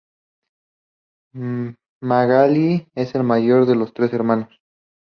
Magaly es la mayor de tres hermanos.